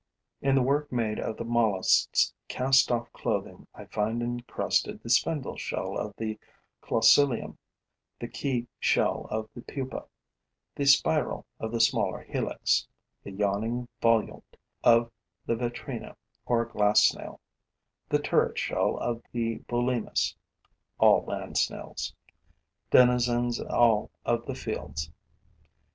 In the work made of the Mollusk's cast off clothing, I find encrusted the spindle shell of the Clausilium, the key shell of the pupa, the spiral of the smaller Helix, the yawning volute of the Vitrina, or glass snail, the turret shell of the Bulimus [all land snails], denizens all of the fields.